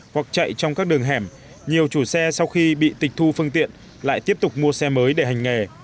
hoặc chạy trong các đường hẻm nhiều chủ xe sau khi bị tịch thu phương tiện lại tiếp tục mua xe mới để hành nghề